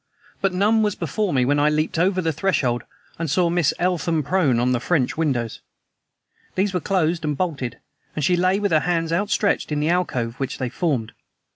But none was before me when I leaped over the threshold and saw Miss Eltham prone by the French windows. These were closed and bolted, and she lay with hands outstretched in the alcove which they formed.